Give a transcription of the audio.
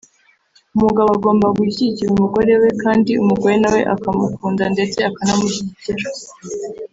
umugabo agomba gushyigikira umugore we kandi umugore nawe akamukunda ndetse akanamushyigikira